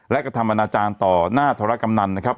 และกระทำอนาจารย์ต่อหน้าธรกำนันนะครับ